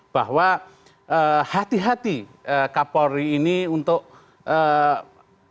bahwa hati hati kapolri ini untuk ee